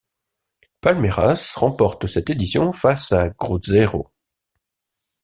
Palmeiras remporte cette édition face à Cruzeiro.